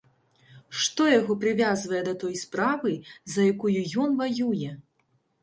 Што яго прывязвае да той справы, за якую ён ваюе?